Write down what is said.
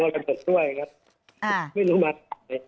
ไม่รู้มั้ย